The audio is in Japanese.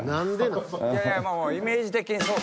もうイメージ的に。